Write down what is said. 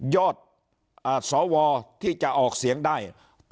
ยอดสวที่จะออกเสียงได้